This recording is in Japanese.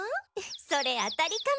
それ当たりかも。